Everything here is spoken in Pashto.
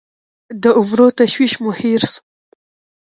د عمرو تشویش مو هېر سوو